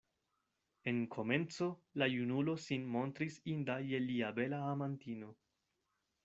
En komenco la junulo sin montris inda je lia bela amantino.